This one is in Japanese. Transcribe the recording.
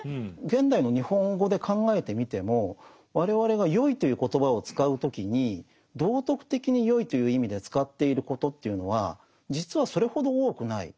現代の日本語で考えてみても我々が「よい」という言葉を使う時に道徳的に善いという意味で使っていることというのは実はそれほど多くない。